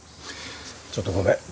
ちょっとごめん。